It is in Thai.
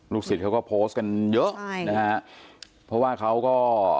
ศิษย์เขาก็โพสต์กันเยอะใช่นะฮะเพราะว่าเขาก็